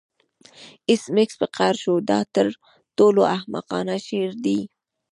ایس میکس په قهر شو دا تر ټولو احمقانه شعار دی